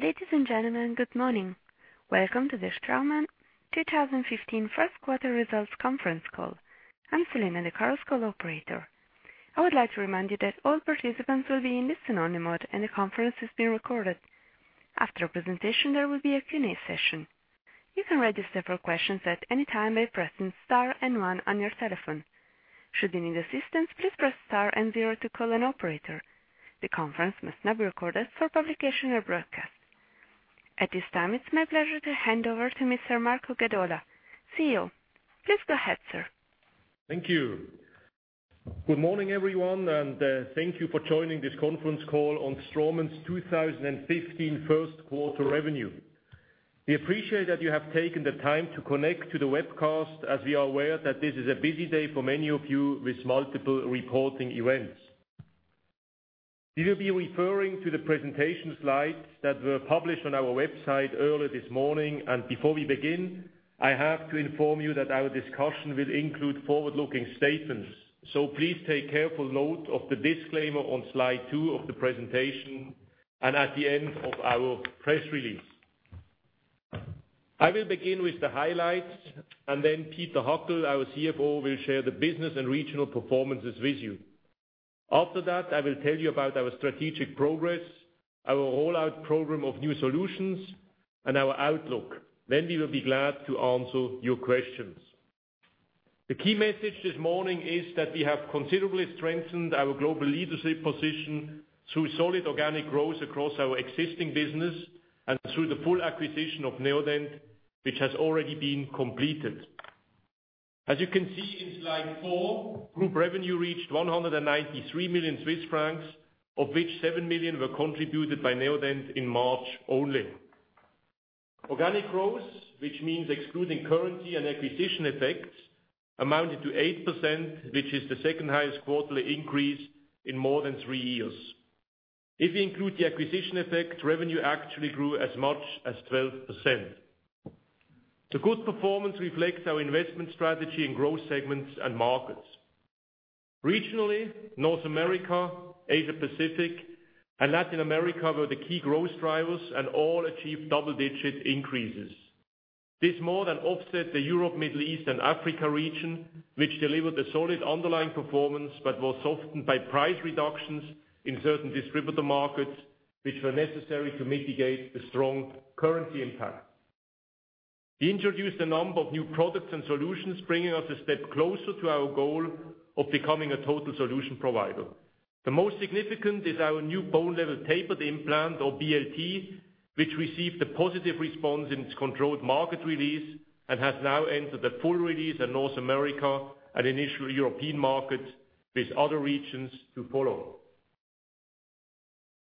Ladies and gentlemen, good morning. Welcome to the Straumann 2015 first quarter results conference call. I'm Selene, the conference call operator. I would like to remind you that all participants will be in listen-only mode, and the conference is being recorded. After the presentation, there will be a Q&A session. You can register for questions at any time by pressing star and one on your telephone. Should you need assistance, please press star and zero to call an operator. The conference must not be recorded for publication or broadcast. At this time, it's my pleasure to hand over to Mr. Marco Gadola, CEO. Please go ahead, sir. Thank you. Good morning, everyone, and thank you for joining this conference call on Straumann's 2015 first quarter revenue. We appreciate that you have taken the time to connect to the webcast, as we are aware that this is a busy day for many of you with multiple reporting events. We will be referring to the presentation slides that were published on our website earlier this morning. Before we begin, I have to inform you that our discussion will include forward-looking statements. Please take careful note of the disclaimer on slide two of the presentation, and at the end of our press release. I will begin with the highlights and Peter Hackel, our CFO, will share the business and regional performances with you. After that, I will tell you about our strategic progress, our rollout program of new solutions, and our outlook. We will be glad to answer your questions. The key message this morning is that we have considerably strengthened our global leadership position through solid organic growth across our existing business and through the full acquisition of Neodent, which has already been completed. As you can see in slide four, group revenue reached 193 million Swiss francs, of which 7 million were contributed by Neodent in March only. Organic growth, which means excluding currency and acquisition effects, amounted to 8%, which is the second-highest quarterly increase in more than three years. If you include the acquisition effect, revenue actually grew as much as 12%. The good performance reflects our investment strategy in growth segments and markets. Regionally, North America, Asia Pacific, and Latin America were the key growth drivers and all achieved double-digit increases. This more than offset the Europe, Middle East, and Africa region, which delivered a solid underlying performance but was softened by price reductions in certain distributor markets, which were necessary to mitigate the strong currency impact. We introduced a number of new products and solutions, bringing us a step closer to our goal of becoming a total solution provider. The most significant is our new bone level tapered implant, or BLT, which received a positive response in its controlled market release and has now entered the full release in North America and initial European markets, with other regions to follow.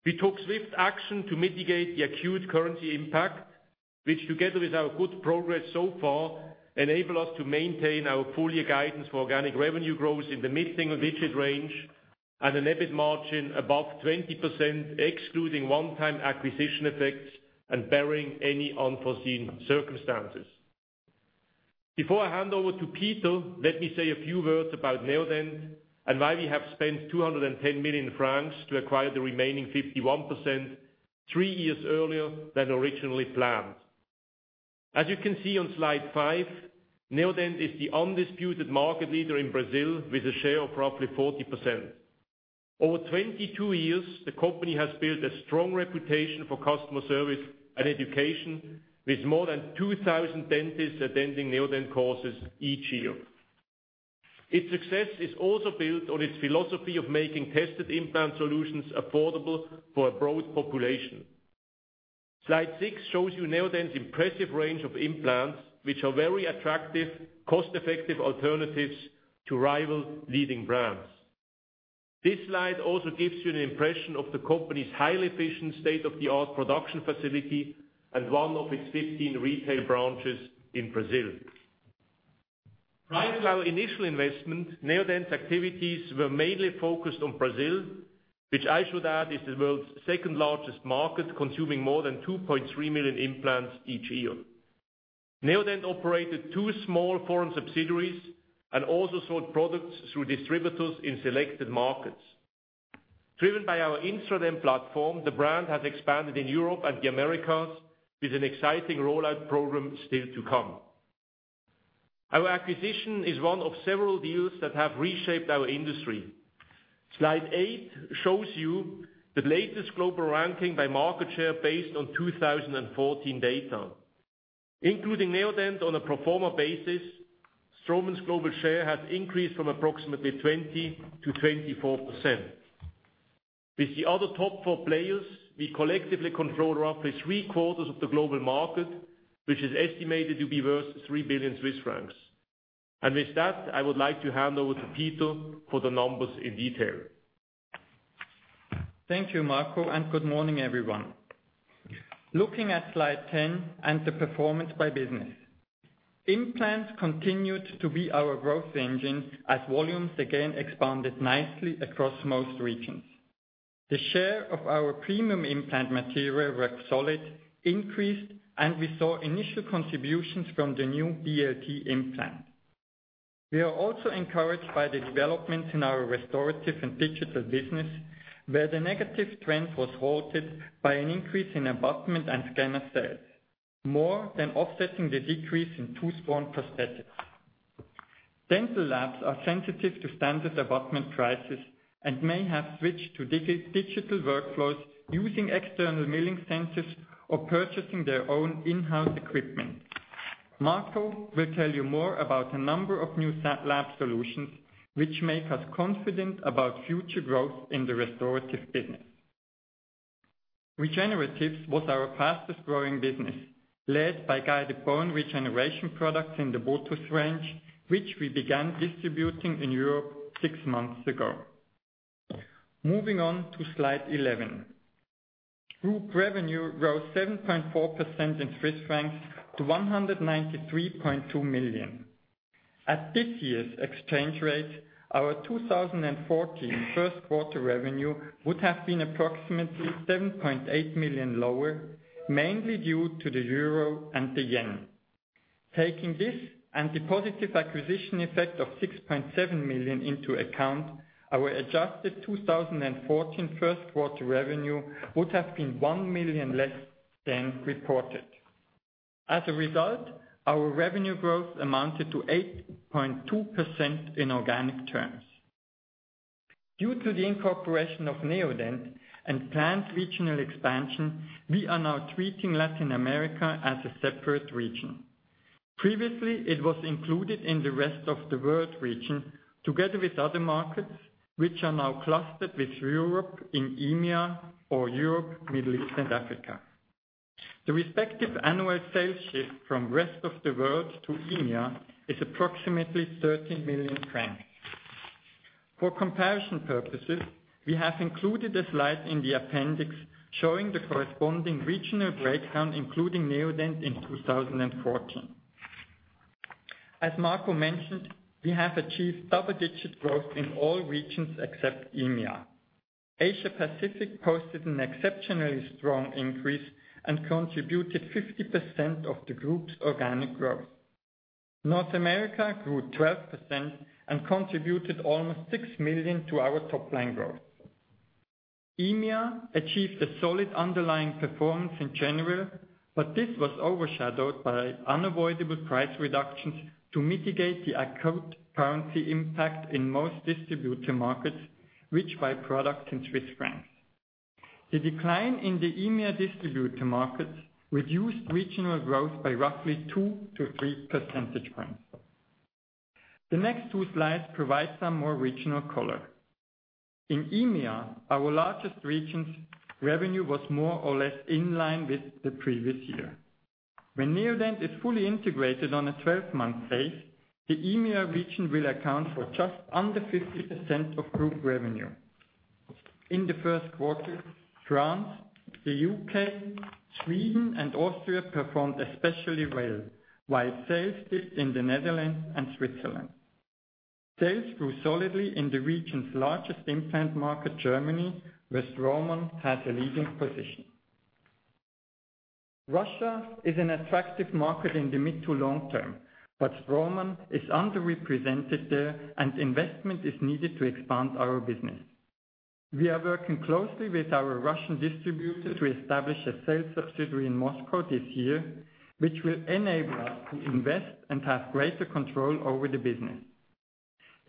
We took swift action to mitigate the acute currency impact, which together with our good progress so far, enable us to maintain our full-year guidance for organic revenue growth in the mid-single-digit range and an EBIT margin above 20%, excluding one-time acquisition effects and barring any unforeseen circumstances. Before I hand over to Peter, let me say a few words about Neodent and why we have spent 210 million francs to acquire the remaining 51%, three years earlier than originally planned. As you can see on slide five, Neodent is the undisputed market leader in Brazil with a share of roughly 40%. Over 22 years, the company has built a strong reputation for customer service and education, with more than 2,000 dentists attending Neodent courses each year. Its success is also built on its philosophy of making tested implant solutions affordable for a broad population. Slide six shows you Neodent's impressive range of implants, which are very attractive, cost-effective alternatives to rival leading brands. This slide also gives you an impression of the company's highly efficient, state-of-the-art production facility and one of its 15 retail branches in Brazil. Prior to our initial investment, Neodent's activities were mainly focused on Brazil, which I should add is the world's second-largest market, consuming more than 2.3 million implants each year. Neodent operated two small foreign subsidiaries and also sold products through distributors in selected markets. Driven by our Instradent platform, the brand has expanded in Europe and the Americas, with an exciting rollout program still to come. Our acquisition is one of several deals that have reshaped our industry. Slide eight shows you the latest global ranking by market share based on 2014 data. Including Neodent on a pro forma basis, Straumann's global share has increased from approximately 20%-24%. With the other top four players, we collectively control roughly three-quarters of the global market, which is estimated to be worth 3 billion Swiss francs. With that, I would like to hand over to Peter for the numbers in detail. Thank you, Marco, and good morning, everyone. Looking at slide 10 and the performance by business. Implants continued to be our growth engine as volumes again expanded nicely across most regions. The share of our premium implant material, Roxolid, increased, and we saw initial contributions from the new BLT implant. We are also encouraged by the developments in our restorative and digital business, where the negative trend was halted by an increase in abutment and scanner sales, more than offsetting the decrease in tooth-borne prosthetics. Dental labs are sensitive to standard abutment prices and may have switched to digital workflows using external milling centers or purchasing their own in-house equipment. Marco will tell you more about a number of new lab solutions, which make us confident about future growth in the restorative business. Regeneratives was our fastest-growing business, led by guided bone regeneration products in the Botiss range, which we began distributing in Europe six months ago. Moving on to slide 11. Group revenue rose 7.4% in CHF to 193.2 million Swiss francs. At this year's exchange rate, our 2014 first quarter revenue would have been approximately 7.8 million lower, mainly due to the EUR and the JPY. Taking this and the positive acquisition effect of 6.7 million into account, our adjusted 2014 first quarter revenue would have been 1 million less than reported. As a result, our revenue growth amounted to 8.2% in organic terms. Due to the incorporation of Neodent and planned regional expansion, we are now treating Latin America as a separate region. Previously, it was included in the rest of the world region, together with other markets, which are now clustered with Europe in EMEA or Europe, Middle East and Africa. The respective annual sales shift from rest of the world to EMEA is approximately 30 million francs. For comparison purposes, we have included a slide in the appendix showing the corresponding regional breakdown, including Neodent in 2014. As Marco mentioned, we have achieved double-digit growth in all regions except EMEA. Asia Pacific posted an exceptionally strong increase and contributed 50% of the group's organic growth. North America grew 12% and contributed almost 6 million to our top-line growth. EMEA achieved a solid underlying performance in January, but this was overshadowed by unavoidable price reductions to mitigate the acute currency impact in most distributor markets, which buy products in CHF. The decline in the EMEA distributor market reduced regional growth by roughly 2 to 3 percentage points. The next two slides provide some more regional color. In EMEA, our largest region's revenue was more or less in line with the previous year. When Neodent is fully integrated on a 12-month base, the EMEA region will account for just under 50% of group revenue. In the first quarter, France, the U.K., Sweden, and Austria performed especially well, while sales dipped in the Netherlands and Switzerland. Sales grew solidly in the region's largest implant market, Germany, where Straumann has a leading position. Russia is an attractive market in the mid to long term, but Straumann is underrepresented there, and investment is needed to expand our business. We are working closely with our Russian distributor to establish a sales subsidiary in Moscow this year, which will enable us to invest and have greater control over the business.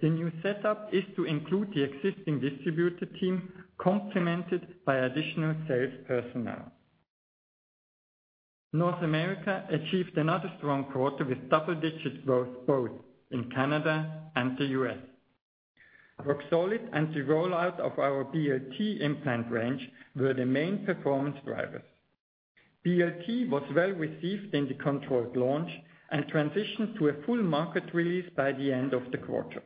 The new setup is to include the existing distributor team, complemented by additional sales personnel. North America achieved another strong quarter with double-digit growth both in Canada and the U.S. Roxolid and the rollout of our BLT implant range were the main performance drivers. BLT was well-received in the controlled launch and transitioned to a full market release by the end of the quarter.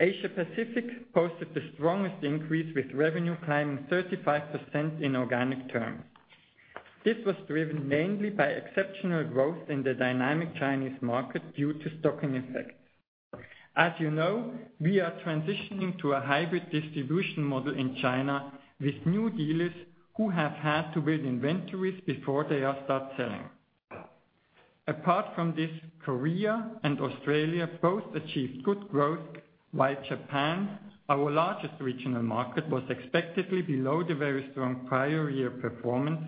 Asia Pacific posted the strongest increase, with revenue climbing 35% in organic terms. This was driven mainly by exceptional growth in the dynamic Chinese market due to stocking effects. As you know, we are transitioning to a hybrid distribution model in China with new dealers who have had to build inventories before they start selling. Apart from this, Korea and Australia both achieved good growth, while Japan, our largest regional market, was expectedly below the very strong prior year performance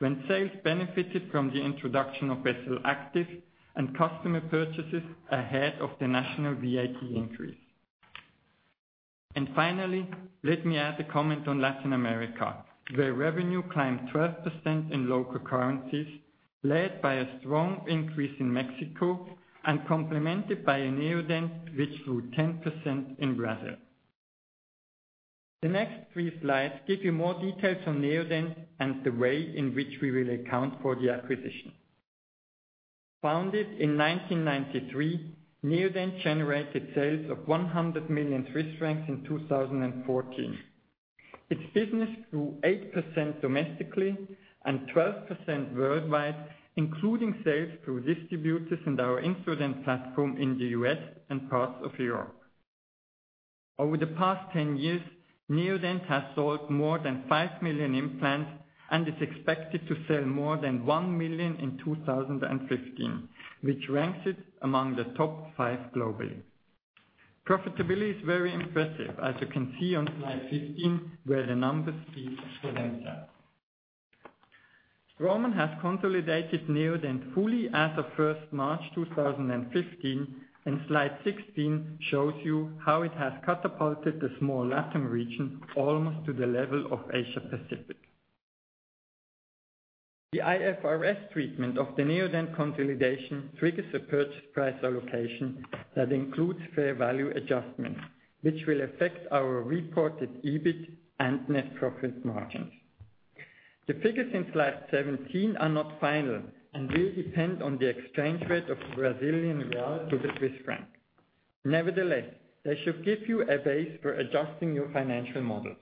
when sales benefited from the introduction of NobelActive and customer purchases ahead of the national VAT increase. Finally, let me add a comment on Latin America, where revenue climbed 12% in local currencies, led by a strong increase in Mexico and complemented by Neodent, which grew 10% in Brazil. The next three slides give you more details on Neodent and the way in which we will account for the acquisition. Founded in 1993, Neodent generated sales of 100 million Swiss francs in 2014. Its business grew 8% domestically and 12% worldwide, including sales through distributors and our Instradent platform in the U.S. and parts of Europe. Over the past 10 years, Neodent has sold more than 5 million implants and is expected to sell more than 1 million in 2015, which ranks it among the top five globally. Profitability is very impressive, as you can see on slide 15, where the numbers speak for themselves. Straumann has consolidated Neodent fully as of March 1, 2015, and slide 16 shows you how it has catapulted the small LATAM region almost to the level of Asia Pacific. The IFRS treatment of the Neodent consolidation triggers a purchase price allocation that includes fair value adjustments, which will affect our reported EBIT and net profit margins. The figures in slide 17 are not final and will depend on the exchange rate of BRL to the CHF. Nevertheless, they should give you a base for adjusting your financial models.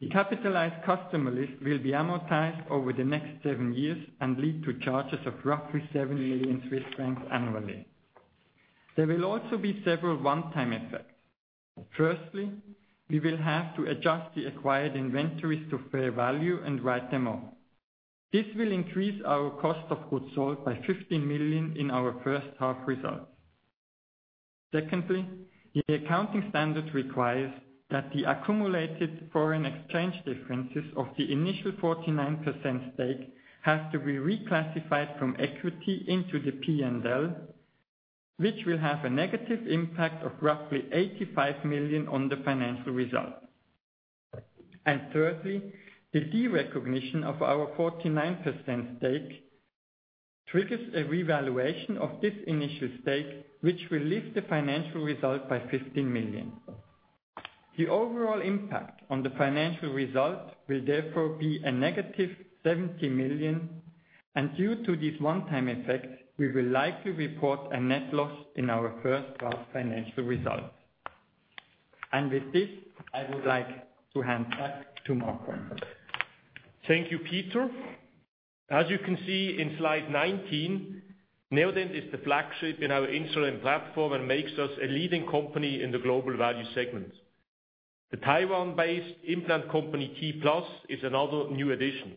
The capitalized customer list will be amortized over the next seven years and lead to charges of roughly 7 million Swiss francs annually. There will also be several one-time effects. Firstly, we will have to adjust the acquired inventories to fair value and write them off. This will increase our cost of goods sold by 15 million in our first half results. Secondly, the accounting standard requires that the accumulated foreign exchange differences of the initial 49% stake have to be reclassified from equity into the P&L, which will have a negative impact of roughly 85 million on the financial results. Thirdly, the derecognition of our 49% stake triggers a revaluation of this initial stake, which will lift the financial result by 15 million. The overall impact on the financial result will therefore be a negative 70 million. Due to these one-time effects, we will likely report a net loss in our first half financial results. With this, I would like to hand back to Marco. Thank you, Peter. As you can see in slide 19, Neodent is the flagship in our Instradent platform and makes us a leading company in the global value segment. The Taiwan-based implant company, T-Plus, is another new addition.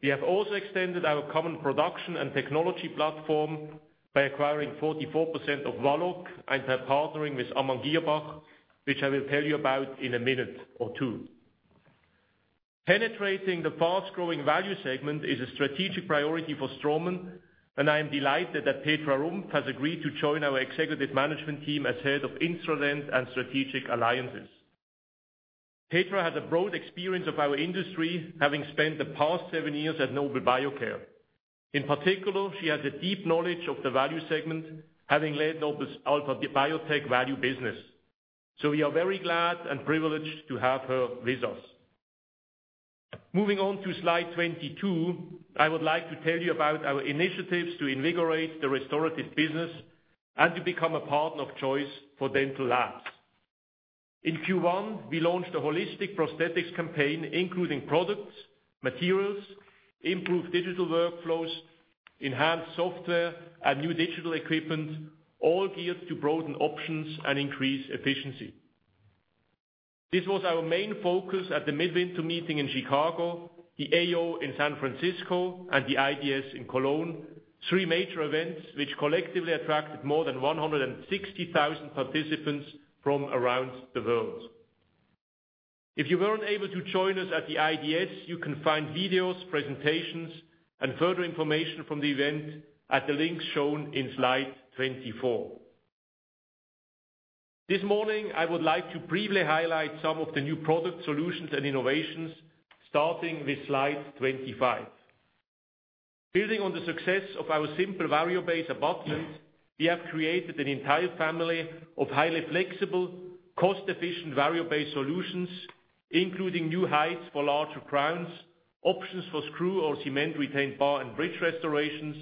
We have also extended our common production and technology platform by acquiring 44% of Valoc and by partnering with Amann Girrbach, which I will tell you about in a minute or two. Penetrating the fast-growing value segment is a strategic priority for Straumann, and I am delighted that Petra Rumpf has agreed to join our executive management team as head of Instradent and Strategic Alliances. Petra has a broad experience of our industry, having spent the past seven years at Nobel Biocare. In particular, she has a deep knowledge of the value segment, having led Nobel's biotech value business. We are very glad and privileged to have her with us. Moving on to slide 22, I would like to tell you about our initiatives to invigorate the restorative business and to become a partner of choice for dental labs. In Q1, we launched a holistic prosthetics campaign, including products, materials, improved digital workflows, enhanced software, and new digital equipment, all geared to broaden options and increase efficiency. This was our main focus at the Midwinter meeting in Chicago, the AO in San Francisco, and the IDS in Cologne, three major events which collectively attracted more than 160,000 participants from around the world. If you weren't able to join us at the IDS, you can find videos, presentations, and further information from the event at the links shown in slide 24. This morning, I would like to briefly highlight some of the new product solutions and innovations, starting with slide 25. Building on the success of our simple Variobase abutment, we have created an entire family of highly flexible, cost-efficient Variobase solutions, including new heights for larger crowns, options for screw or cement-retained bar and bridge restorations,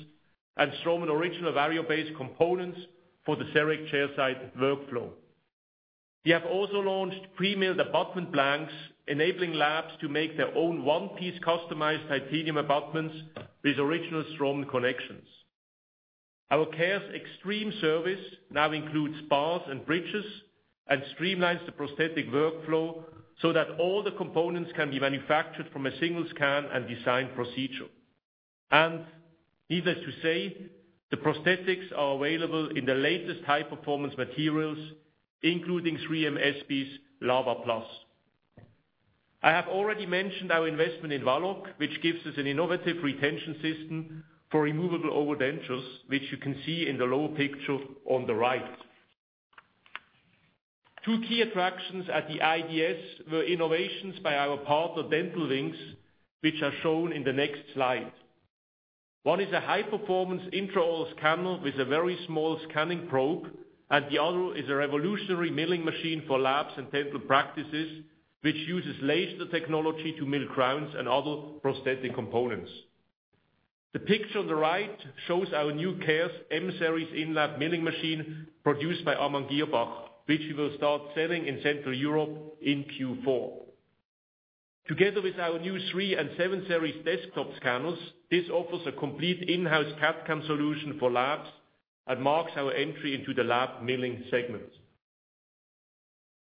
and Straumann original Variobase components for the CEREC chair-side workflow. We have also launched premilled abutment blanks, enabling labs to make their own one-piece customized titanium abutments with original Straumann connections. Our CARES Extreme service now includes bars and bridges and streamlines the prosthetic workflow so that all the components can be manufactured from a single scan and design procedure. Needless to say, the prosthetics are available in the latest high-performance materials, including 3M ESPE's Lava Plus. I have already mentioned our investment in Valoc, which gives us an innovative retention system for removable overdentures, which you can see in the lower picture on the right. Two key attractions at the IDS were innovations by our partner, Dental Wings, which are shown in the next slide. One is a high-performance intraoral scanner with a very small scanning probe, and the other is a revolutionary milling machine for labs and dental practices, which uses laser technology to mill crowns and other prosthetic components. The picture on the right shows our new CARES M series in-lab milling machine produced by Amann Girrbach, which we will start selling in Central Europe in Q4. Together with our new three and seven series desktop scanners, this offers a complete in-house CAD/CAM solution for labs and marks our entry into the lab milling segment.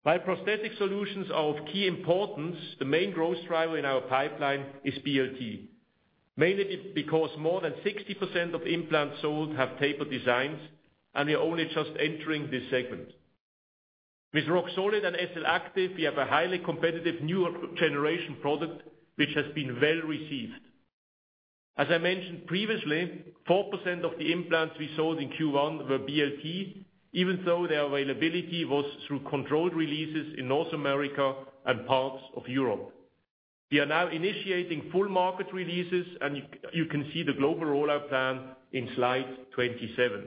While prosthetic solutions are of key importance, the main growth driver in our pipeline is BLT, mainly because more than 60% of implants sold have tapered designs, we are only just entering this segment. With Roxolid and SLActive, we have a highly competitive new generation product, which has been well received. As I mentioned previously, 4% of the implants we sold in Q1 were BLTs, even though their availability was through controlled releases in North America and parts of Europe. We are now initiating full market releases. You can see the global rollout plan in slide 27.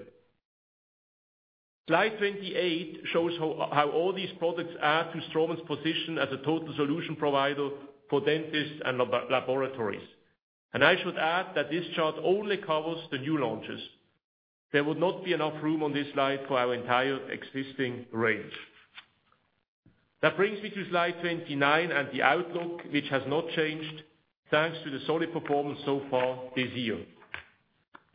Slide 28 shows how all these products add to Straumann's position as a total solution provider for dentists and laboratories. I should add that this chart only covers the new launches. There would not be enough room on this slide for our entire existing range. That brings me to slide 29 and the outlook, which has not changed, thanks to the solid performance so far this year.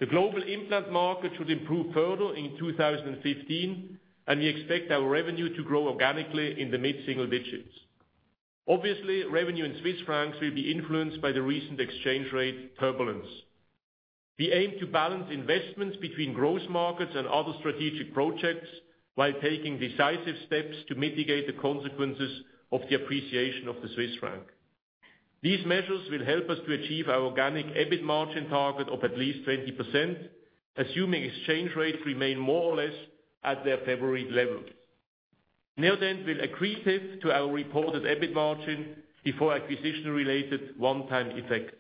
The global implant market should improve further in 2015. We expect our revenue to grow organically in the mid-single digits. Obviously, revenue in CHF will be influenced by the recent exchange rate turbulence. We aim to balance investments between growth markets and other strategic projects while taking decisive steps to mitigate the consequences of the appreciation of the CHF. These measures will help us to achieve our organic EBIT margin target of at least 20%, assuming exchange rates remain more or less at their February levels. Neodent will accretive to our reported EBIT margin before acquisition-related one-time effects.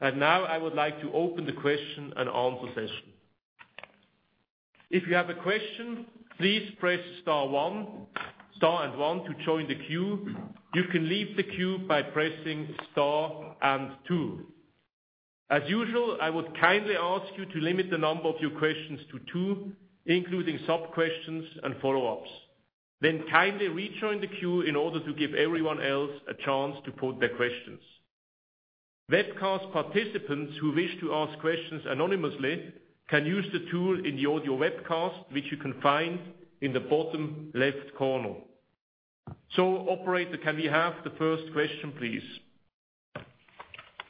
Now I would like to open the question and answer session. If you have a question, please press star and one to join the queue. You can leave the queue by pressing star and two. As usual, I would kindly ask you to limit the number of your questions to two, including sub-questions and follow-ups. Kindly rejoin the queue in order to give everyone else a chance to put their questions. Webcast participants who wish to ask questions anonymously can use the tool in the audio webcast, which you can find in the bottom left corner. Operator, can we have the first question, please?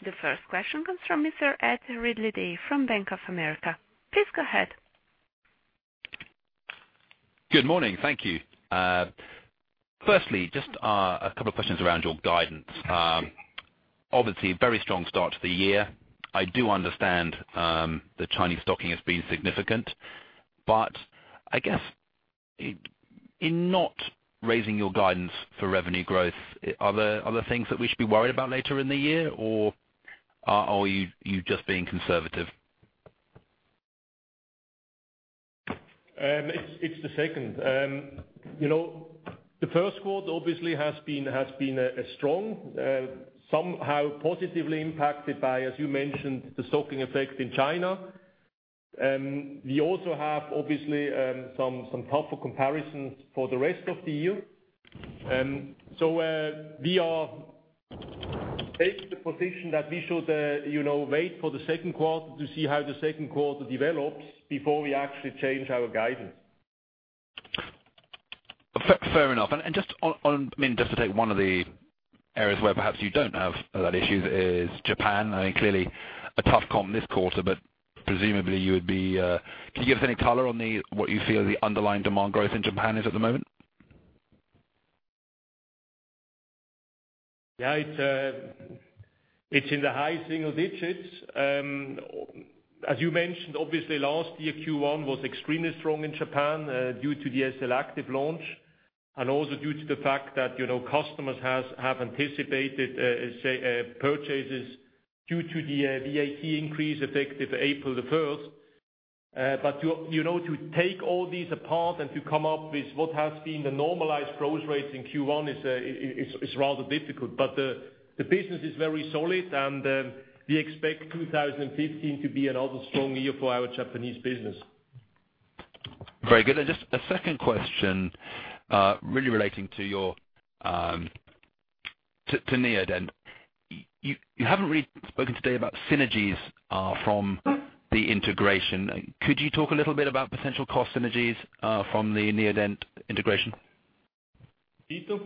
The first question comes from Mr. Ed Ridley-Day from Bank of America. Please go ahead. Good morning. Thank you. Firstly, just a couple of questions around your guidance. Obviously, a very strong start to the year. I do understand the Chinese stocking has been significant, I guess in not raising your guidance for revenue growth, are there things that we should be worried about later in the year, or are you just being conservative? It's the second. The first quarter obviously has been strong, somehow positively impacted by, as you mentioned, the stocking effect in China. We also have, obviously, some tougher comparisons for the rest of the year. We are taking the position that we should wait for the second quarter to see how the second quarter develops before we actually change our guidance. Fair enough. Just to take one of the areas where perhaps you don't have a lot of issues is Japan. I think clearly a tough comp this quarter, presumably, can you give us any color on what you feel the underlying demand growth in Japan is at the moment? Yeah, it's in the high single digits. As you mentioned, obviously last year, Q1 was extremely strong in Japan due to the SLActive launch and also due to the fact that customers have anticipated purchases due to the VAT increase effective April the 1st. To take all these apart and to come up with what has been the normalized growth rate in Q1 is rather difficult. The business is very solid, and we expect 2015 to be another strong year for our Japanese business. Very good. Just a second question, really relating to Neodent. You haven't really spoken today about synergies from the integration. Could you talk a little bit about potential cost synergies from the Neodent integration? Peter?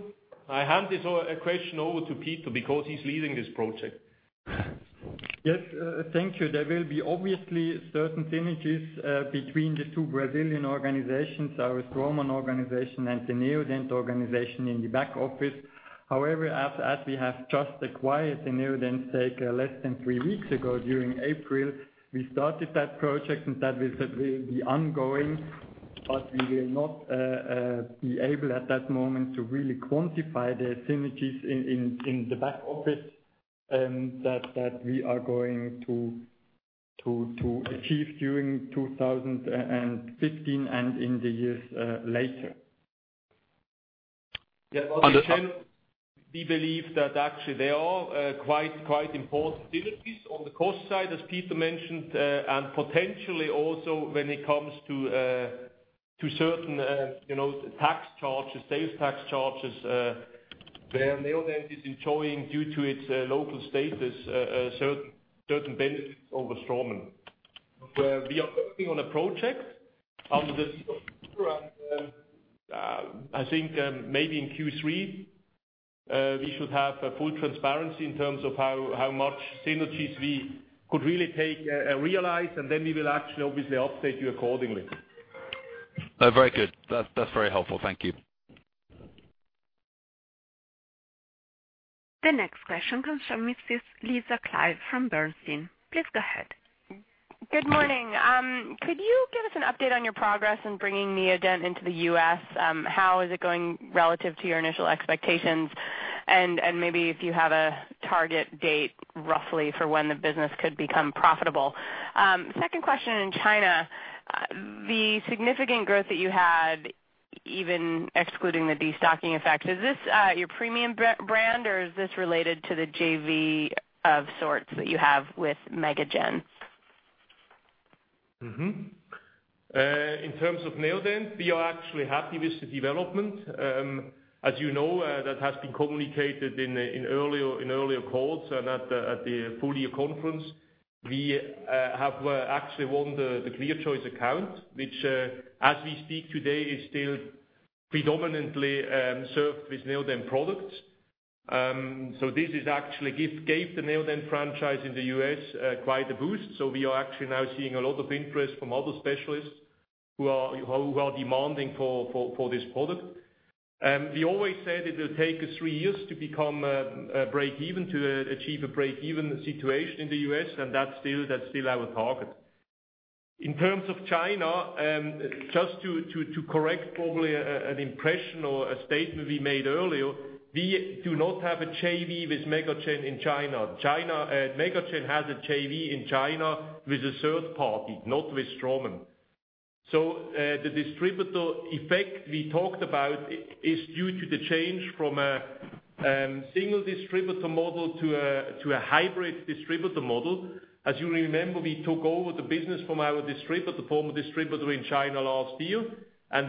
I hand this question over to Peter because he's leading this project. Yes. Thank you. There will be obviously certain synergies between the two Brazilian organizations, our Straumann organization and the Neodent organization in the back office. However, as we have just acquired the Neodent stake less than three weeks ago during April, we started that project, and that will be ongoing, but we will not be able at that moment to really quantify the synergies in the back office that we are going to achieve during 2015 and in the years later. Yeah. In general, we believe that actually there are quite important synergies on the cost side, as Peter mentioned, and potentially also when it comes to certain tax charges, sales tax charges, where Neodent is enjoying due to its local status, certain benefits over Straumann. We are working on a project under the I think maybe in Q3 we should have full transparency in terms of how much synergies we could really take and realize, and then we will actually obviously update you accordingly. Very good. That's very helpful. Thank you. The next question comes from Lisa Clive from Bernstein. Please go ahead. Good morning. Could you give us an update on your progress in bringing Neodent into the U.S.? How is it going relative to your initial expectations? Maybe if you have a target date roughly for when the business could become profitable. Second question, in China, the significant growth that you had, even excluding the stocking effect, is this your premium brand or is this related to the JV of sorts that you have with MegaGen? In terms of Neodent, we are actually happy with the development. As you know, that has been communicated in earlier calls and at the full year conference. We have actually won the ClearChoice account, which as we speak today is still predominantly served with Neodent products. This actually gave the Neodent franchise in the U.S. quite a boost. We are actually now seeing a lot of interest from other specialists who are demanding for this product. We always said it will take us three years to achieve a break-even situation in the U.S., that's still our target. In terms of China, just to correct probably an impression or a statement we made earlier, we do not have a JV with MegaGen in China. MegaGen has a JV in China with a third party, not with Straumann. The distributor effect we talked about is due to the change from a single distributor model to a hybrid distributor model. As you remember, we took over the business from our distributor, former distributor in China last year,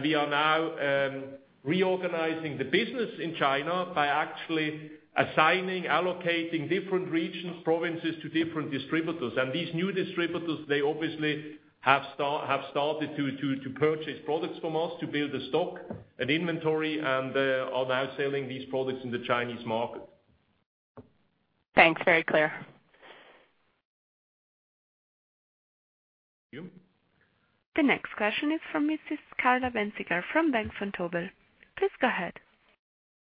we are now reorganizing the business in China by actually assigning, allocating different regions, provinces to different distributors. These new distributors, they obviously have started to purchase products from us to build a stock and inventory and are now selling these products in the Chinese market. Thanks. Very clear. Thank you. The next question is from Mrs. Carla Bänziger from Bank Vontobel. Please go ahead.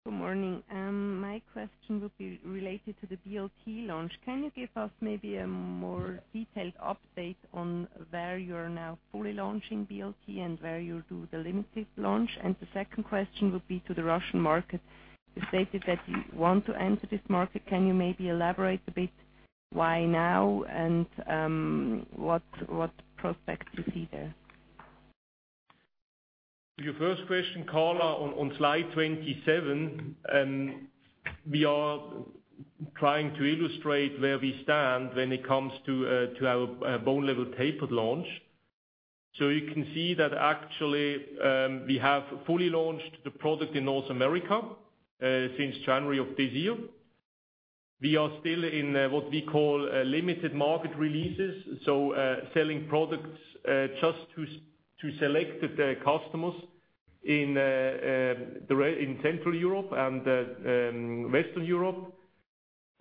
Good morning. My question would be related to the BLT launch. Can you give us maybe a more detailed update on where you're now fully launching BLT and where you do the limited launch? The second question would be to the Russian market. You stated that you want to enter this market. Can you maybe elaborate a bit, why now and what prospects you see there? To your first question, Carla Bänziger, on slide 27, we are trying to illustrate where we stand when it comes to our bone level tapered launch. You can see that actually we have fully launched the product in North America since January of this year. We are still in what we call limited market releases, so selling products just to selected customers in Central Europe and Western Europe,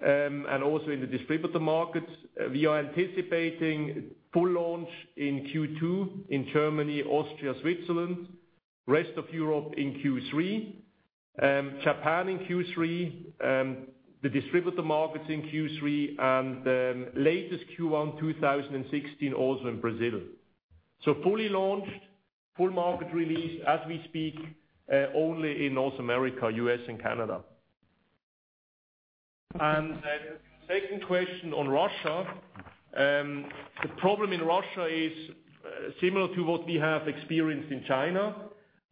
and also in the distributor markets. We are anticipating full launch in Q2 in Germany, Austria, Switzerland, rest of Europe in Q3, Japan in Q3, the distributor markets in Q3, and latest Q1 2016, also in Brazil. Fully launched, full market release as we speak only in North America, U.S., and Canada. The second question on Russia. The problem in Russia is similar to what we have experienced in China.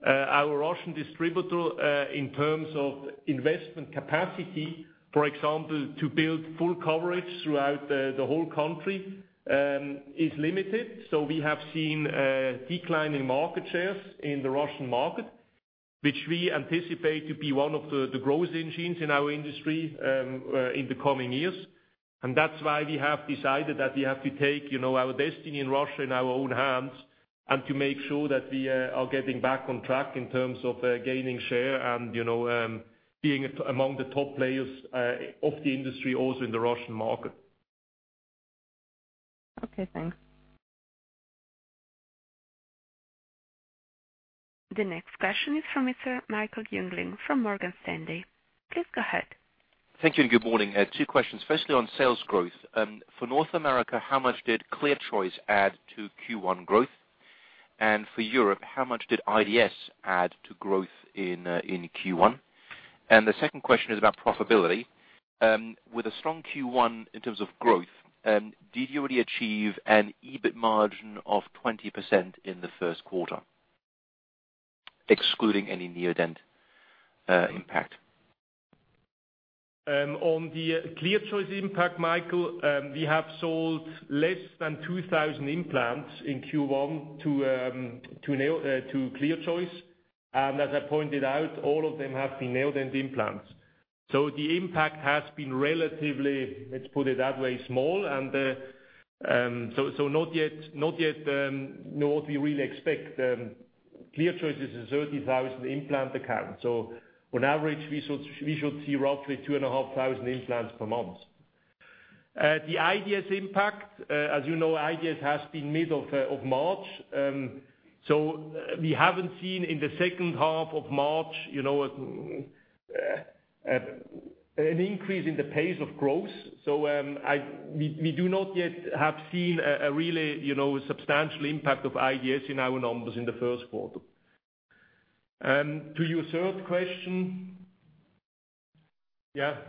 Our Russian distributor in terms of investment capacity, for example, to build full coverage throughout the whole country, is limited. We have seen a decline in market shares in the Russian market, which we anticipate to be one of the growth engines in our industry in the coming years. That's why we have decided that we have to take our destiny in Russia in our own hands and to make sure that we are getting back on track in terms of gaining share and being among the top players of the industry also in the Russian market. Okay, thanks. The next question is from Michael Jungling from Morgan Stanley. Please go ahead. Thank you and good morning. Two questions, firstly on sales growth. For North America, how much did ClearChoice add to Q1 growth? For Europe, how much did IDS add to growth in Q1? The second question is about profitability. With a strong Q1 in terms of growth, did you already achieve an EBIT margin of 20% in the first quarter? Excluding any Neodent impact On the ClearChoice impact, Michael, we have sold less than 2,000 implants in Q1 to ClearChoice. As I pointed out, all of them have been Neodent implants. The impact has been relatively, let's put it that way, small, and so not yet what we really expect. ClearChoice is a 30,000 implant account. On average, we should see roughly 2,500 implants per month. The IDS impact, as you know, IDS has been middle of March. We haven't seen in the second half of March, an increase in the pace of growth. We do not yet have seen a really substantial impact of IDS in our numbers in the first quarter. To your third question,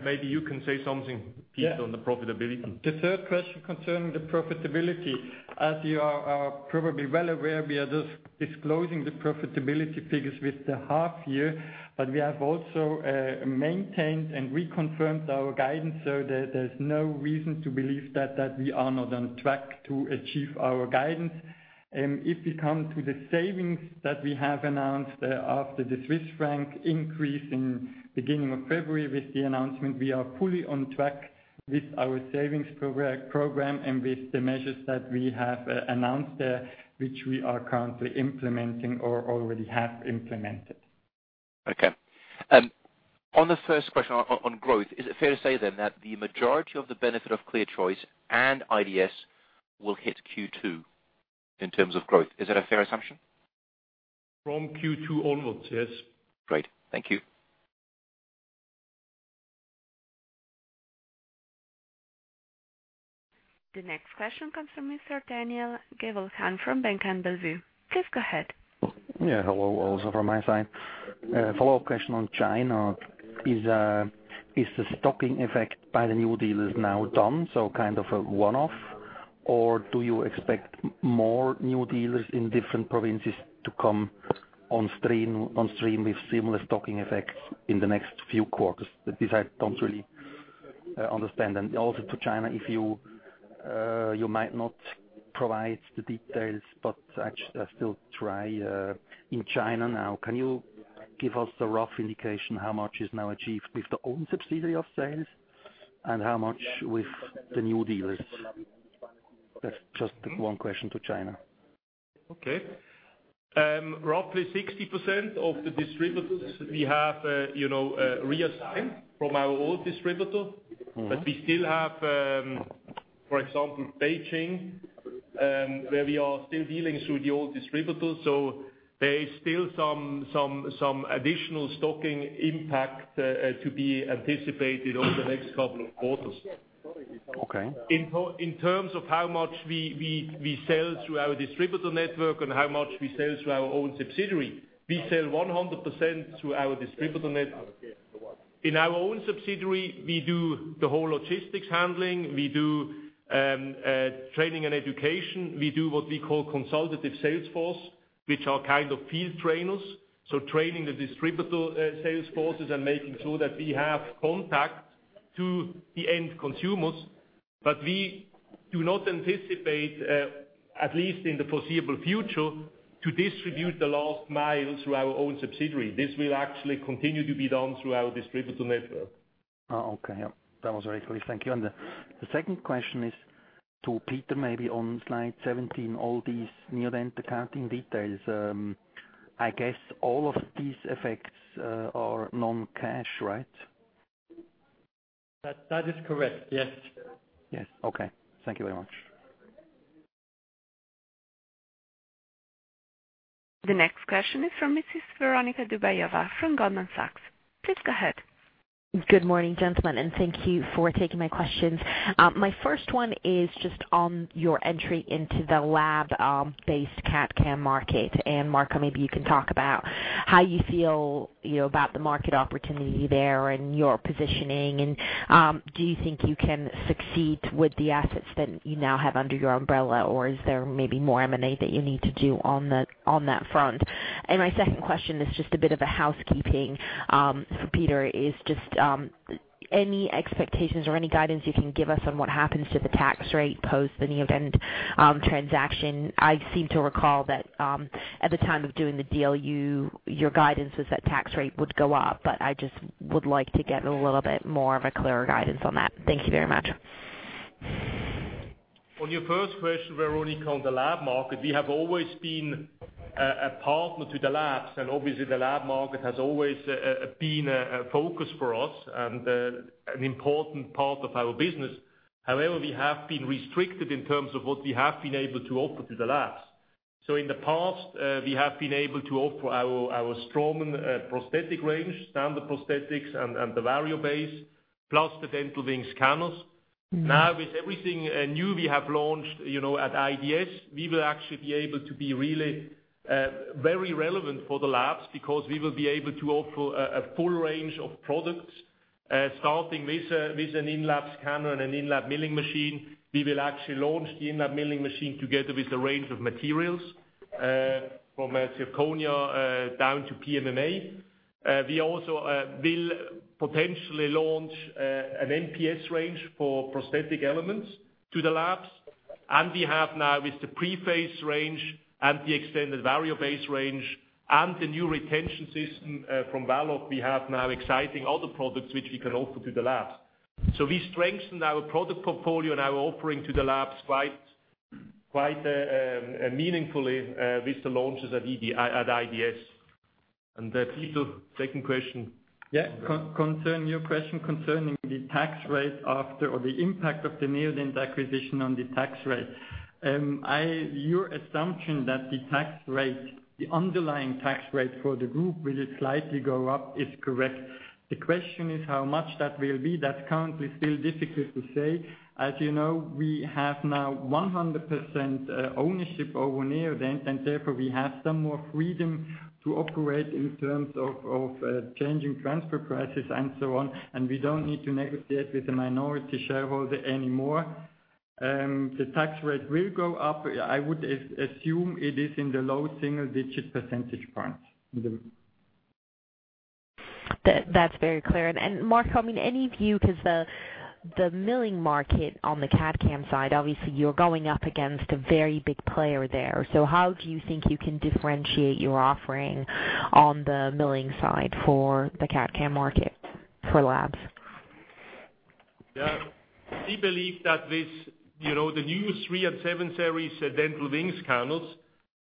maybe you can say something, Peter. Yeah On the profitability. The third question concerning the profitability. As you are probably well aware, we are just disclosing the profitability figures with the half year, but we have also maintained and reconfirmed our guidance so that there's no reason to believe that we are not on track to achieve our guidance. If we come to the savings that we have announced after the Swiss franc increase in beginning of February with the announcement, we are fully on track with our savings program and with the measures that we have announced there, which we are currently implementing or already have implemented. Okay. On the first question, on growth, is it fair to say then that the majority of the benefit of ClearChoice and IDS will hit Q2 in terms of growth? Is that a fair assumption? From Q2 onwards, yes. Great. Thank you. The next question comes from Mr. Daniel Jelovcan from Bank am Bellevue. Please go ahead. Yeah. Hello, also from my side. A follow-up question on China. Is the stocking effect by the new dealers now done, so kind of a one-off, or do you expect more new dealers in different provinces to come on stream with similar stocking effects in the next few quarters? I don't really understand. Also to China, you might not provide the details, but actually I still try. In China now, can you give us a rough indication how much is now achieved with the own subsidiary of sales and how much with the new dealers? That is just one question to China. Okay. Roughly 60% of the distributors we have reassign from our old distributor. We still have, for example, Beijing, where we are still dealing through the old distributor. There is still some additional stocking impact to be anticipated over the next couple of quarters. Okay. In terms of how much we sell through our distributor network and how much we sell through our own subsidiary, we sell 100% through our distributor network. In our own subsidiary, we do the whole logistics handling, we do training and education. We do what we call consultative sales force, which are kind of field trainers, so training the distributor sales forces and making sure that we have contact to the end consumers. We do not anticipate, at least in the foreseeable future, to distribute the last mile through our own subsidiary. This will actually continue to be done through our distributor network. Oh, okay. Yeah. That was very clear. Thank you. The second question is to Peter, maybe on slide 17, all these Neodent accounting details. I guess all of these effects are non-cash, right? That is correct, yes. Yes. Okay. Thank you very much. The next question is from Mrs. Veronika Dubajova from Goldman Sachs. Please go ahead. Good morning, gentlemen, and thank you for taking my questions. My first one is just on your entry into the lab-based CAD/CAM market. Marco, maybe you can talk about how you feel about the market opportunity there and your positioning, do you think you can succeed with the assets that you now have under your umbrella, or is there maybe more M&A that you need to do on that front? My second question is just a bit of a housekeeping for Peter. Is just any expectations or any guidance you can give us on what happens to the tax rate post the Neodent transaction? I seem to recall that at the time of doing the deal, your guidance was that tax rate would go up, I just would like to get a little bit more of a clearer guidance on that. Thank you very much. On your first question, Veronika, on the lab market, we have always been a partner to the labs, obviously the lab market has always been a focus for us and an important part of our business. However, we have been restricted in terms of what we have been able to offer to the labs. In the past, we have been able to offer our Straumann prosthetic range, standard prosthetics and the Variobase, plus the Dental Wings scanners. With everything new we have launched at IDS, we will actually be able to be really very relevant for the labs because we will be able to offer a full range of products, starting with an in-lab scanner and an in-lab milling machine. We will actually launch the in-lab milling machine together with a range of materials from zirconia down to PMMA. We also will potentially launch an MPS range for prosthetic elements to the labs. We have now, with the PreFace range and the extended Variobase range and the new retention system from Valoc, we have now exciting other products which we can offer to the labs. We strengthened our product portfolio and our offering to the labs quite meaningfully with the launches at IDS. Peter, second question. Yeah. Your question concerning the tax rate after, or the impact of the Neodent acquisition on the tax rate. Your assumption that the tax rate, the underlying tax rate for the group will slightly go up is correct. The question is how much that will be. That's currently still difficult to say. As you know, we have now 100% ownership over Neodent, therefore, we have some more freedom to operate in terms of changing transfer prices and so on, we don't need to negotiate with the minority shareholder anymore. The tax rate will go up. I would assume it is in the low single-digit percentage points. That's very clear. Marco, any view, because the milling market on the CAD/CAM side, obviously, you're going up against a very big player there. How do you think you can differentiate your offering on the milling side for the CAD/CAM market for labs? Yeah. We believe that the new 3 and 7 series Dental Wings scanners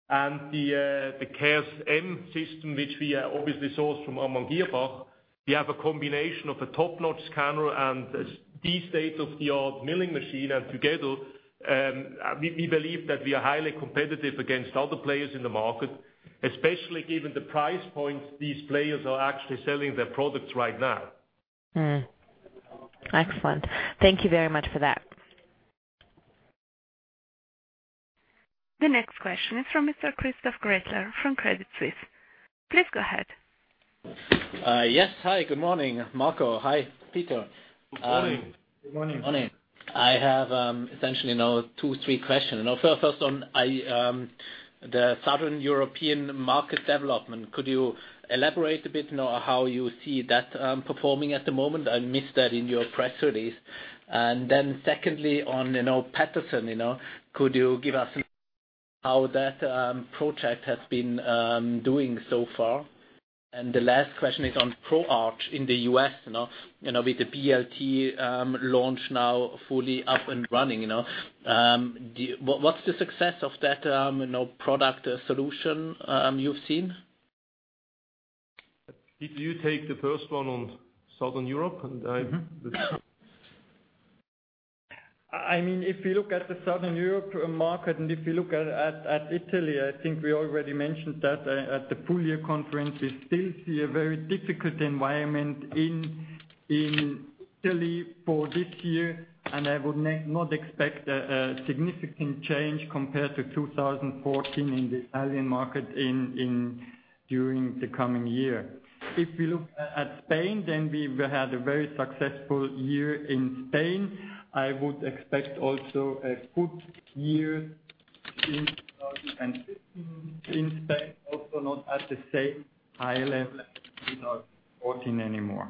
and the CARES M series, which we obviously source from Amann Girrbach, we have a combination of a top-notch scanner and the state-of-the-art milling machine. Together, we believe that we are highly competitive against other players in the market, especially given the price point these players are actually selling their products right now. Excellent. Thank you very much for that. The next question is from Mr. Christoph Gredler from Credit Suisse. Please go ahead. Yes. Hi, good morning, Marco. Hi, Peter. Good morning. Good morning. Morning. I have essentially now two, three questions. First on the Southern European market development, could you elaborate a bit on how you see that performing at the moment? I missed that in your press release. Secondly, on Patterson. Could you give us how that project has been doing so far? The last question is on ProArch in the U.S., with the BLT launch now fully up and running. What's the success of that product solution you've seen? Peter, you take the first one on Southern Europe. If you look at the Southern Europe market and if you look at Italy, I think we already mentioned that at the full-year conference, we still see a very difficult environment in Italy for this year, and I would not expect a significant change compared to 2014 in the Italian market during the coming year. If we look at Spain, we had a very successful year in Spain. I would expect also a good year in 2015 in Spain, also not at the same high level as 2014 anymore.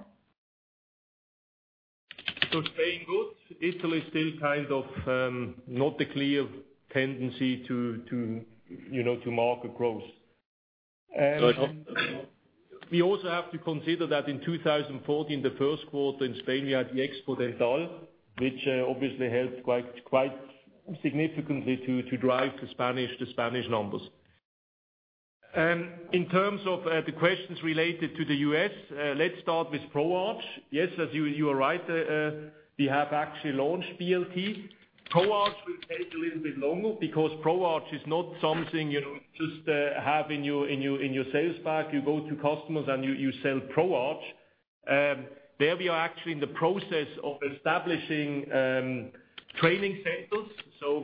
Spain good. Italy is still kind of not a clear tendency to market growth. We also have to consider that in 2014, the first quarter in Spain, we had the Expodental, which obviously helped quite significantly to drive the Spanish numbers. In terms of the questions related to the U.S., let's start with ProArch. Yes, you are right. We have actually launched BLT. ProArch will take a little bit longer because ProArch is not something you just have in your sales pack. You go to customers, and you sell ProArch. There, we are actually in the process of establishing training centers.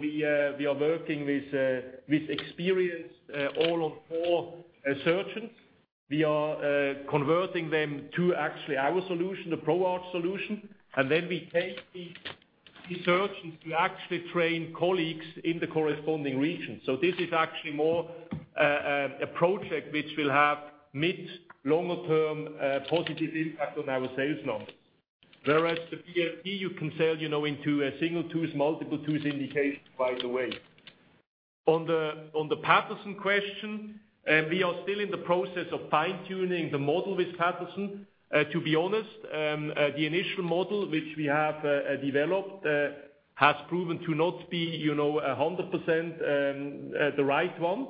We are working with experienced All-on-4 surgeons. We are converting them to actually our solution, the ProArch solution, and we take the surgeons to actually train colleagues in the corresponding region. This is actually more a project which will have mid, longer-term positive impact on our sales numbers. Whereas the BLT, you can sell into a single-tooth, multiple-tooth indication, by the way. On the Patterson question, we are still in the process of fine-tuning the model with Patterson. To be honest, the initial model which we have developed has proven to not be 100% the right one.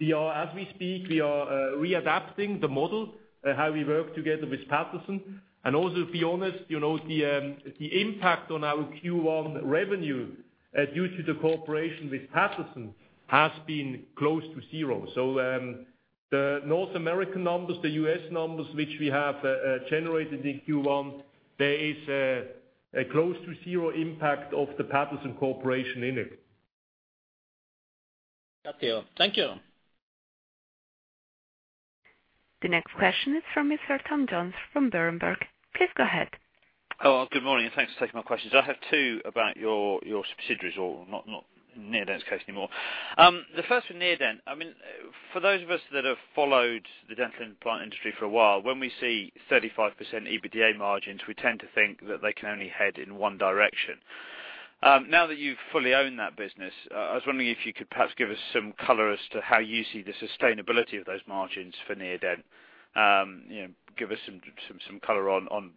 As we speak, we are readapting the model, how we work together with Patterson. Also, to be honest, the impact on our Q1 revenue due to the cooperation with Patterson has been close to zero. The North American numbers, the U.S. numbers which we have generated in Q1, there is a close to zero impact of the Patterson cooperation in it. Got you. Thank you. The next question is from Mr. Tom Jones from Berenberg. Please go ahead. Hello. Good morning, thanks for taking my questions. I have two about your subsidiaries, or not Neodent's case anymore. The first one, Neodent. For those of us that have followed the dental implant industry for a while, when we see 35% EBITDA margins, we tend to think that they can only head in one direction. Now that you fully own that business, I was wondering if you could perhaps give us some color as to how you see the sustainability of those margins for Neodent. Give us some color on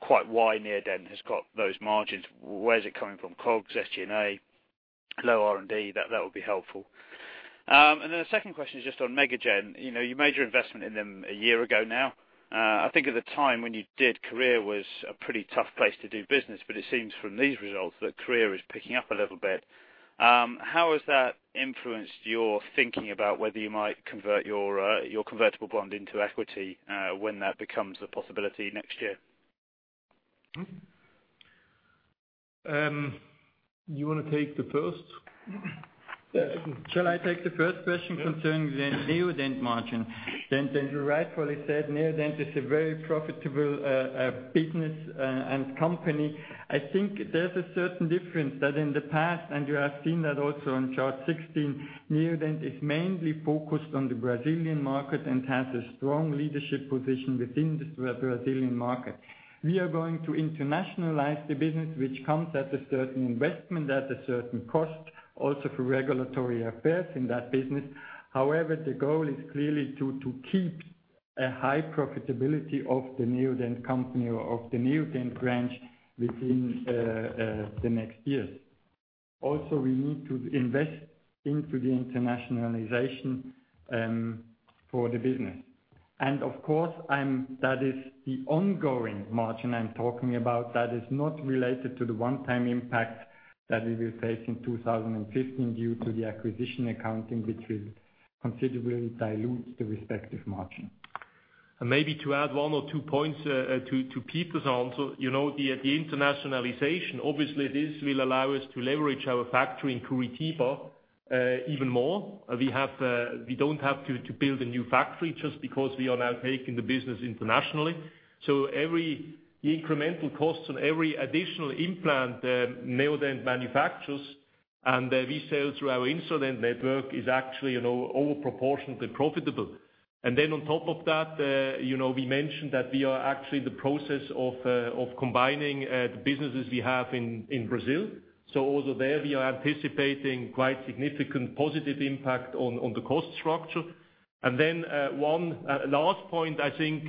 quite why Neodent has got those margins. Where is it coming from? COGS, SG&A, low R&D? That would be helpful. The second question is just on MegaGen. You made your investment in them a year ago now. I think at the time when you did, Korea was a pretty tough place to do business. It seems from these results that Korea is picking up a little bit. How has that influenced your thinking about whether you might convert your convertible bond into equity when that becomes a possibility next year? You want to take the first? Shall I take the first question concerning the Neodent margin? Yeah. You rightfully said Neodent is a very profitable business and company. I think there's a certain difference that in the past, you have seen that also on chart 16, Neodent is mainly focused on the Brazilian market and has a strong leadership position within the Brazilian market. We are going to internationalize the business, which comes at a certain investment, at a certain cost, also for regulatory affairs in that business. However, the goal is clearly to keep a high profitability of the Neodent company or of the Neodent branch within the next years. Also, we need to invest into the internationalization for the business. Of course, that is the ongoing margin I'm talking about, that is not related to the one-time impact that we will face in 2015 due to the acquisition accounting, which will considerably dilute the respective margin. Maybe to add one or two points to Peter's answer. The internationalization, obviously, this will allow us to leverage our factory in Curitiba even more. We don't have to build a new factory just because we are now taking the business internationally. Every incremental cost on every additional implant that Neodent manufactures and we sell through our Instradent network is actually over-proportionately profitable. On top of that, we mentioned that we are actually in the process of combining the businesses we have in Brazil. Also there, we are anticipating quite significant positive impact on the cost structure. One last point I think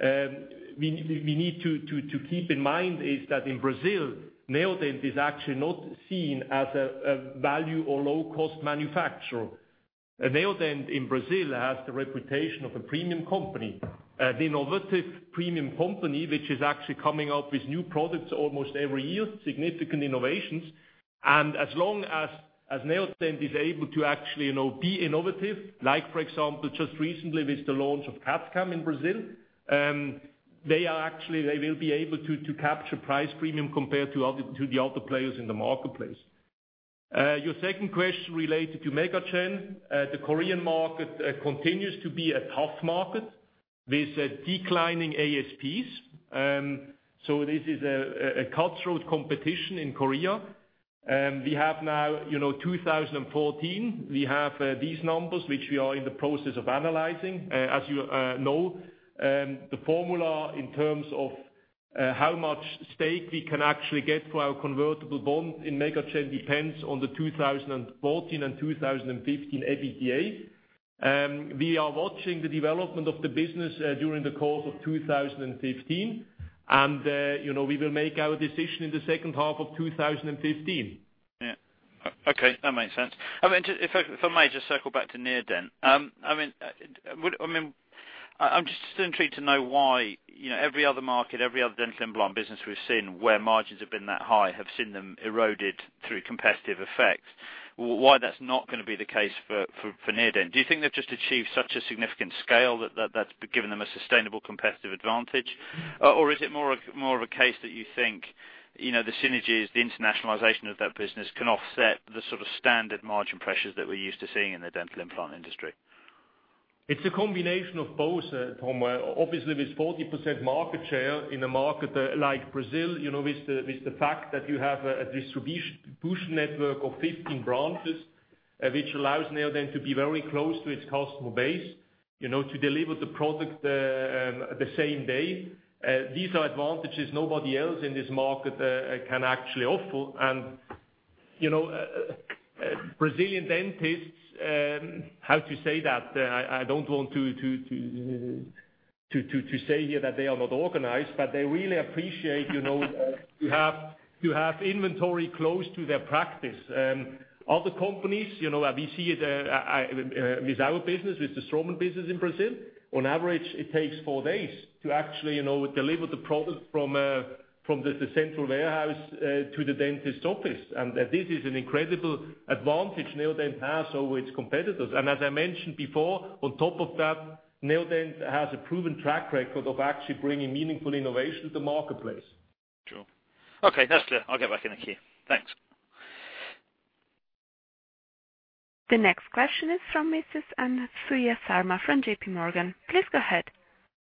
we need to keep in mind is that in Brazil, Neodent is actually not seen as a value or low-cost manufacturer. Neodent in Brazil has the reputation of a premium company. The innovative premium company, which is actually coming out with new products almost every year, significant innovations. As long as Neodent is able to actually be innovative, like for example, just recently with the launch of CAD/CAM in Brazil, they will be able to capture price premium compared to the other players in the marketplace. Your second question related to MegaGen. The Korean market continues to be a tough market with declining ASPs. This is a cutthroat competition in Korea. We have now 2014. We have these numbers, which we are in the process of analyzing. As you know, the formula in terms of how much stake we can actually get for our convertible bond in MegaGen depends on the 2014 and 2015 EBITDA. We are watching the development of the business during the course of 2015, and we will make our decision in the second half of 2015. Yeah. Okay. That makes sense. If I may just circle back to Neodent. I'm just intrigued to know why every other market, every other dental implant business we've seen where margins have been that high, have seen them eroded through competitive effects, why that's not going to be the case for Neodent. Do you think they've just achieved such a significant scale that that's given them a sustainable competitive advantage? Or is it more of a case that you think, the synergies, the internationalization of that business can offset the standard margin pressures that we're used to seeing in the dental implant industry? It's a combination of both, Tom. Obviously, with 40% market share in a market like Brazil, with the fact that you have a distribution network of 15 branches, which allows Neodent to be very close to its customer base, to deliver the product the same day. These are advantages nobody else in this market can actually offer. Brazilian dentists, how to say that? I don't want to say here that they are not organized, but they really appreciate to have inventory close to their practice. Other companies, we see it with our business, with the Straumann business in Brazil, on average, it takes four days to actually deliver the product from the central warehouse to the dentist office. This is an incredible advantage Neodent has over its competitors. As I mentioned before, on top of that, Neodent has a proven track record of actually bringing meaningful innovation to the marketplace. Sure. Okay, that's clear. I'll get back in the queue. Thanks. The next question is from Mrs. Anasuya Sarma from JP Morgan. Please go ahead.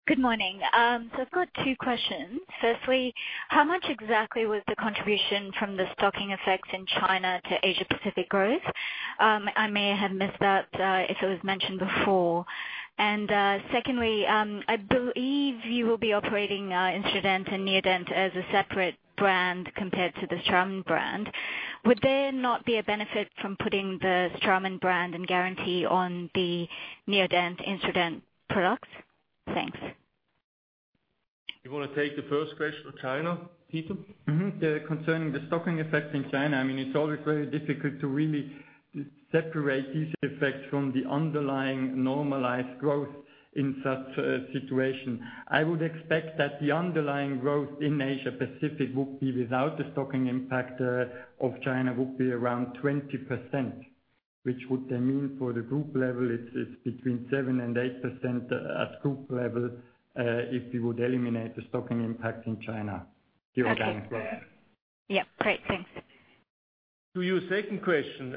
Good morning. I've got two questions. Firstly, how much exactly was the contribution from the stocking effects in China to Asia Pacific growth? I may have missed that, if it was mentioned before. Secondly, I believe you will be operating Instradent and Neodent as a separate brand compared to the Straumann brand. Would there not be a benefit from putting the Straumann brand and guarantee on the Neodent, Instradent products? Thanks. You want to take the first question on China, Peter? Concerning the stocking effect in China, it's always very difficult to really separate these effects from the underlying normalized growth in such a situation. I would expect that the underlying growth in Asia Pacific would be without the stocking impact of China, would be around 20%, which would then mean for the group level, it's between 7% and 8% at group level, if we would eliminate the stocking impact in China- Okay the organic growth. Yeah. Great, thanks. To your second question,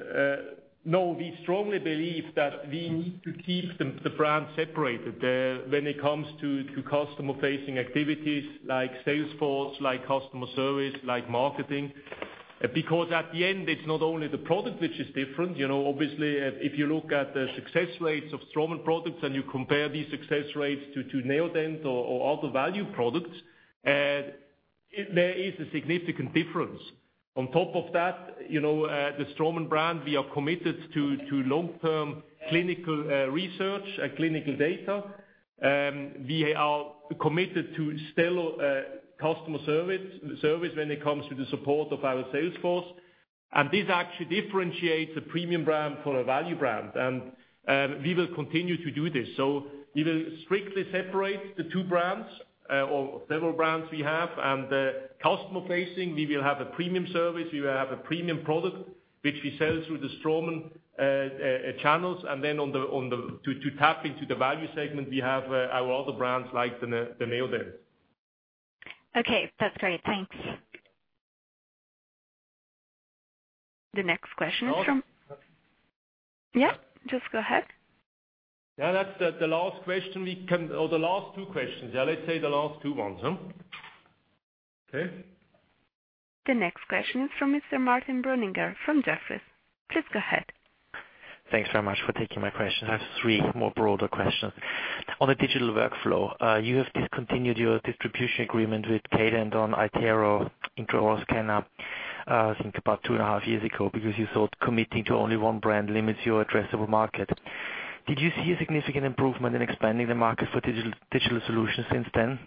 no, we strongly believe that we need to keep the brands separated, when it comes to customer-facing activities like sales force, like customer service, like marketing. Because at the end, it is not only the product which is different. Obviously, if you look at the success rates of Straumann products and you compare these success rates to Neodent or other value products, there is a significant difference. On top of that, the Straumann brand, we are committed to long-term clinical research and clinical data. We are committed to stellar customer service when it comes to the support of our sales force. This actually differentiates a premium brand from a value brand. We will continue to do this. We will strictly separate the two brands, or several brands we have. Customer-facing, we will have a premium service, we will have a premium product, which we sell through the Straumann channels. To tap into the value segment, we have our other brands like the Neodent. Okay. That is great. Thanks. The next question is. No. Yeah, just go ahead. Yeah. That's the last question. The last two questions. Yeah, let's say the last two ones. Okay. The next question is from Martin Brunninger from Jefferies. Please go ahead. Thanks very much for taking my question. I have three more broader questions. On the digital workflow, you have discontinued your distribution agreement with Cadent on iTero intraoral scanner, I think about two and a half years ago because you thought committing to only one brand limits your addressable market. Do you see a significant improvement in expanding the market for digital solutions since then?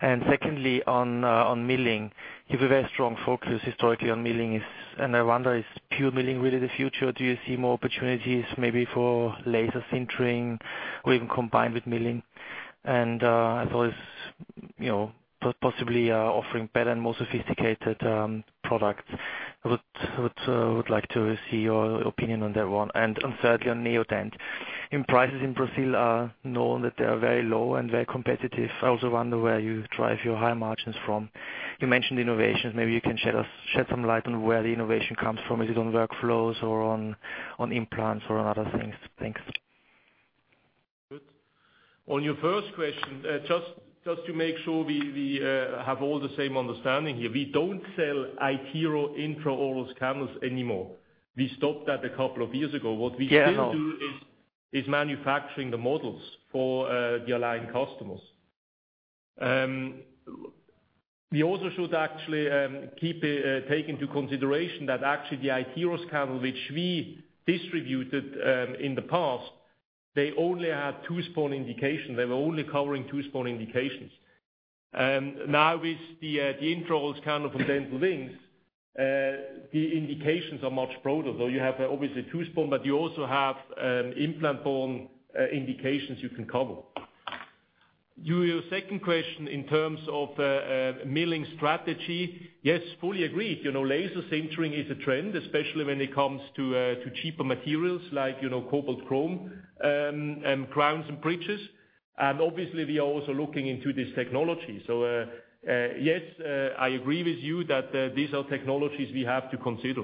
Secondly, on milling, you have a very strong focus historically on milling. I wonder, is pure milling really the future? Do you see more opportunities maybe for laser sintering or even combined with milling? I thought if possibly offering better and more sophisticated products. I would like to see your opinion on that one. Thirdly, on Neodent. Prices in Brazil are known that they are very low and very competitive. I also wonder where you derive your high margins from. You mentioned innovations. Maybe you can shed some light on where the innovation comes from. Is it on workflows or on implants or on other things? Thanks. Good. On your first question, just to make sure we have all the same understanding here. We don't sell iTero intraoral scanners anymore. We stopped that a couple of years ago. Yeah, I know is manufacturing the models for the aligned customers. We also should actually take into consideration that actually the iTero scanner, which we distributed in the past, they only had tooth-borne indication. They were only covering tooth-borne indications. Now with the intraoral scanner from Dental Wings, the indications are much broader, though you have obviously tooth-borne but you also have implant-borne indications you can cover. To your second question in terms of milling strategy. Yes, fully agreed. Laser sintering is a trend, especially when it comes to cheaper materials like cobalt chrome, and crowns and bridges. Obviously we are also looking into this technology. Yes, I agree with you that these are technologies we have to consider.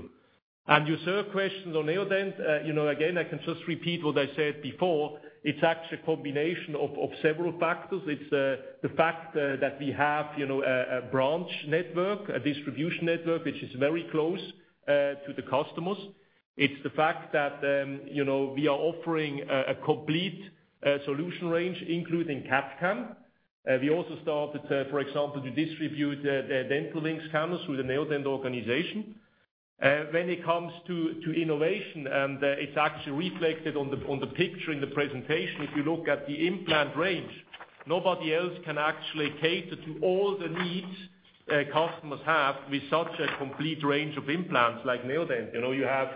Your third question on Neodent, again, I can just repeat what I said before. It's actually a combination of several factors. It's the fact that we have a branch network, a distribution network, which is very close to the customers. It's the fact that we are offering a complete solution range, including CAD/CAM. We also started, for example, to distribute Dental Wings scanners through the Neodent organization. When it comes to innovation, and it's actually reflected on the picture in the presentation, if you look at the implant range, nobody else can actually cater to all the needs customers have with such a complete range of implants like Neodent. You have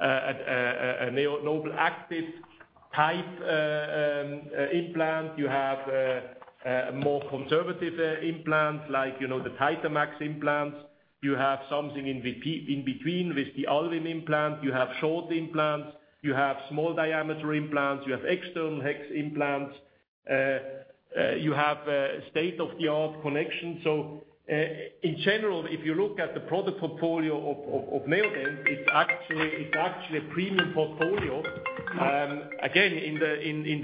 a NobelActive type implant. You have a more conservative implant like the Titamax implants. You have something in between with the All-In implant. You have short implants, you have small diameter implants, you have external hex implants. You have a state-of-the-art connection. In general, if you look at the product portfolio of Neodent, it's actually a premium portfolio. Again, in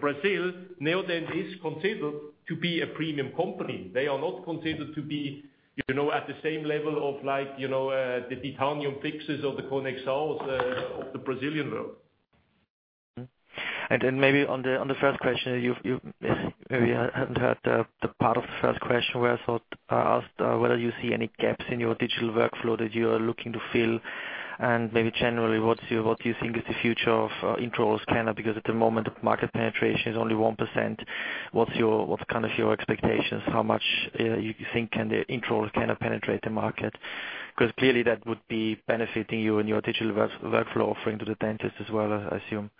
Brazil, Neodent is considered to be a premium company. They are not considered to be at the same level of the Titaniumfixs or the Conexãos of the Brazilian world. Maybe on the first question, you maybe hadn't heard the part of the first question where I asked whether you see any gaps in your digital workflow that you are looking to fill, maybe generally, what do you think is the future of intraoral scanner, because at the moment, market penetration is only 1%. What's your expectations? How much you think can the intraoral scanner penetrate the market? Clearly that would be benefiting you and your digital workflow offering to the dentist as well, I assume.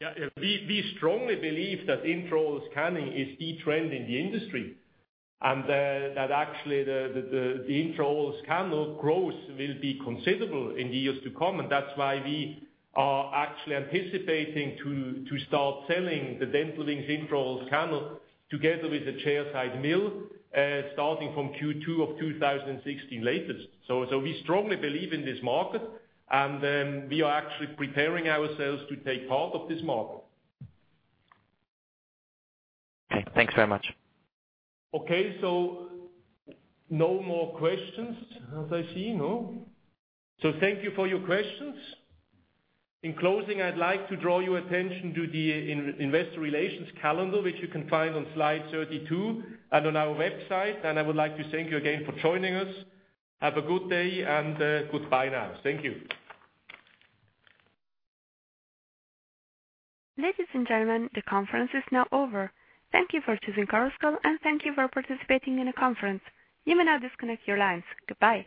Yeah. We strongly believe that intraoral scanning is the trend in the industry, the intraoral scanner growth will be considerable in the years to come, we are actually anticipating to start selling the Dental Wings intraoral scanner together with the chairside mill, starting from Q2 of 2016 latest. We strongly believe in this market, we are actually preparing ourselves to take part of this market. Okay, thanks very much. Okay, no more questions as I see, no? Thank you for your questions. In closing, I'd like to draw your attention to the investor relations calendar, which you can find on slide 32 and on our website. I would like to thank you again for joining us. Have a good day, and goodbye now. Thank you. Ladies and gentlemen, the conference is now over. Thank you for choosing Chorus Call, and thank you for participating in the conference. You may now disconnect your lines. Goodbye.